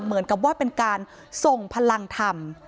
เหมือนกับว่าเป็นการส่งพลังธรรม